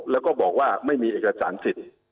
แล้วก็บอกว่าไม่มีเอกสารสิทธิ์